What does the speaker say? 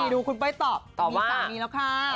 ดูคุณเป้ยตอบมีสามีแล้วค่ะ